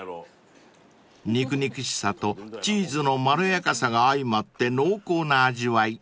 ［肉々しさとチーズのまろやかさが相まって濃厚な味わい］